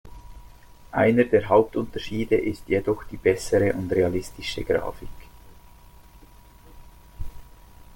Einer der Hauptunterschiede ist jedoch die bessere und realistische Grafik.